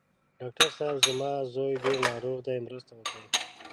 ډاکټر صېب! زما زوی ډېر ناروغ دی، مرسته وکړئ.